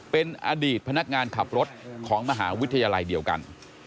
เป็นอดีตพนักงานขับรถของมหาวิทยาลัยเดียวกัน